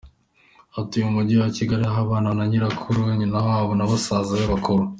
Atuye mu mujyi wa Kigali aho abana na Nyirakuru, Nyinawabo na basaza be bakuru.